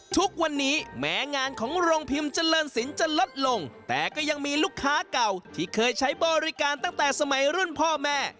ทุกวันนี้แม้งานของโรงพิมพ์เจริญสินจะลดลงแต่ก็ยังมีลูกค้าเก่าที่เคยใช้บริการตั้งแต่สมัยรุ่นพ่อแม่